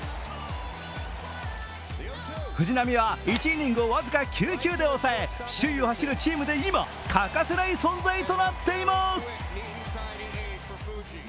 藤浪は１イニングを僅か９球で抑え首位を走るチームで今欠かせない存在となっています。